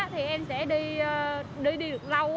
thì em sẽ đi được lâu